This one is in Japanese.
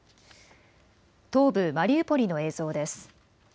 東部マリウポリの映像です。